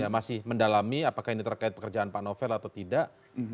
masih mendalami apakah ini terkait pekerjaan pak novel atau tidak